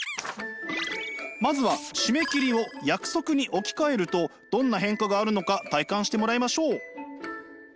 まずは締め切りを約束に置き換えるとどんな変化があるのか体感してもらいましょう。